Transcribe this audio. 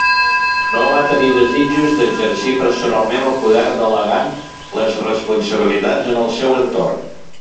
No va tenir desitjos d'exercir personalment el poder delegant les responsabilitats en el seu entorn.